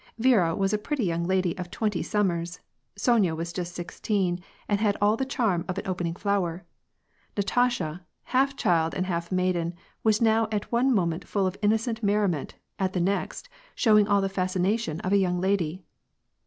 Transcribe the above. Viera was a pretty young lady of twenty summers. Sonya was just six teen, and had all the charm of an opening flower. Natasha, half child and half maiden, was now at one moment full of in nocent merriment, at the next, showing all the fascination of a young lady.